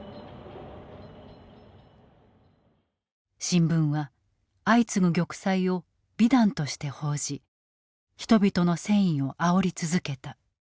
新聞は相次ぐ玉砕を美談として報じ人々の戦意をあおり続けた。